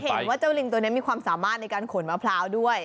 เห็นว่าเจ้าลิงตัวนี้มีความสามารถในการขนมะพร้าวด้วย